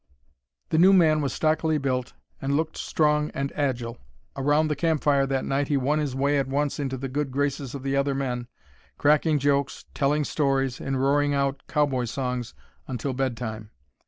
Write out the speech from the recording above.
The new man was stockily built, and looked strong and agile. Around the campfire that night he won his way at once into the good graces of the other men, cracking jokes, telling stories, and roaring out cowboy songs until bedtime.